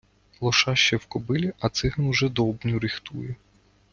Лоша ще в кобилі, а циган уже довбню ріхтує.